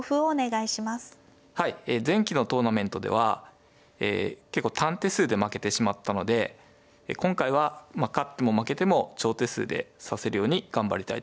はい前期のトーナメントではえ結構短手数で負けてしまったので今回は勝っても負けても長手数で指せるように頑張りたいと思います。